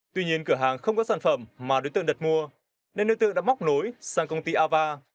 tuy nhiên cửa hàng không có sản phẩm mà đối tượng đặt mua nên đối tượng đã móc nối sang công ty ava